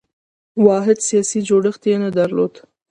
واحد سیاسي جوړښت یې نه درلود.